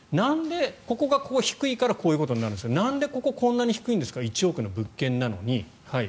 ここが低いからこうなるんですが何でここ、こんなに低いんですか１億の物件なのに。